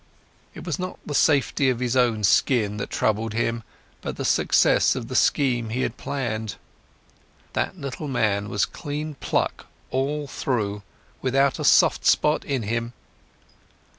It was not the safety of his own skin that troubled him, but the success of the scheme he had planned. That little man was clean grit all through, without a soft spot in him.